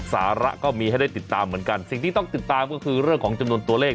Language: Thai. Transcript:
สาระก็มีให้ได้ติดตามเหมือนกันสิ่งที่ต้องติดตามก็คือเรื่องของจำนวนตัวเลข